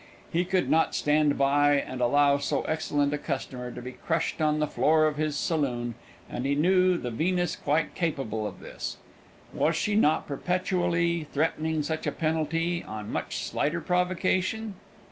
He could not stand by and allow so excellent a customer to be crushed on the floor of his saloon, and he knew the Venus quite capable of this: was she not perpetually threatening such a penalty, on much slighter provocation?